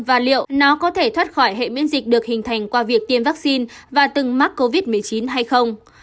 và liệu nó có thể thoát khỏi hệ miễn dịch được hình thành qua việc tiêm vaccine và từng mắc covid một mươi chín hay không